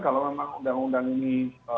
kalau memang undang undang ini